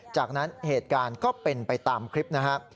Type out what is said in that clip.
จากนั้นเหตุการณ์ก็เป็นไปตามคลิปนะครับ